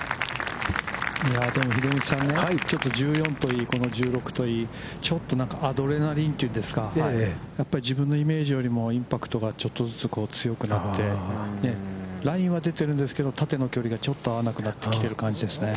秀道さんね、ちょっと１４といい、この１６といい、ちょっとなんか、アドレナリンというんですか、やっぱり自分のイメージよりもインパクトがちょっとずつ強くなって、ラインは出てるんですけど、縦の距離がちょっと合わなくなってきている感じですね。